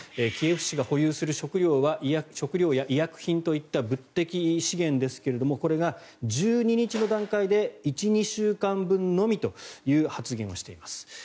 キエフ市が保有する、食料や医薬品といった物的資源ですがこれが１２日の段階で１２週間分のみという発言をしています。